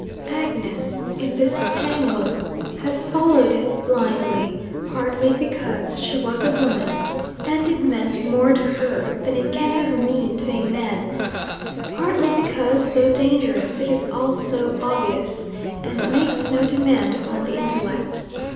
Agnes, in this tangle, had followed it blindly, partly because she was a woman, and it meant more to her than it can ever mean to a man; partly because, though dangerous, it is also obvious, and makes no demand upon the intellect.